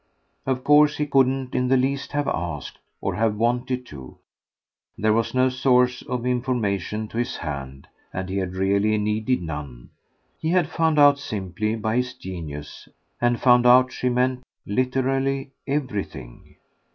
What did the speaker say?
Of course he couldn't in the least have asked, or have wanted to; there was no source of information to his hand, and he had really needed none: he had found out simply by his genius and found out, she meant, literally everything.